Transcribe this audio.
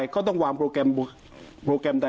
คุณประสิทธิ์ทราบรึเปล่าคะว่า